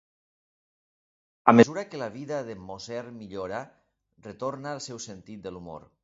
A mesura que la vida d'en Moser millora, retorna el seu sentit de l'humor.